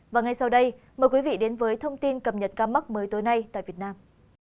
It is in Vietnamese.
và ngay sau đây mời quý vị đến với thông tin cập nhật ca mắc mới tối nay tại việt nam